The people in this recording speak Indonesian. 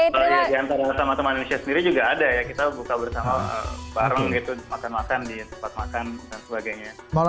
ya diantara sama teman indonesia sendiri juga ada ya kita buka bersama bareng gitu makan makan di tempat makan dan sebagainya